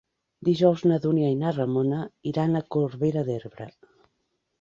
Dijous na Dúnia i na Ramona iran a Corbera d'Ebre.